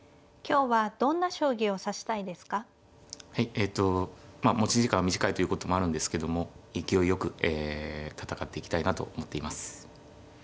えと持ち時間短いということもあるんですけども勢いよく戦っていきたいなと思っています。